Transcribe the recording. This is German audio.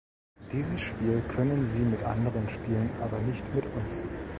Dieses Spiel können Sie mit anderen spielen, aber nicht mit uns.